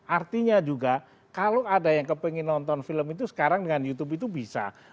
artinya juga kalau ada yang kepingin nonton film itu sekarang dengan youtube itu bisa